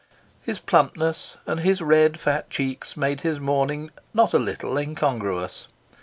His plumpness and his red, fat cheeks made his mourning not a little incongruous.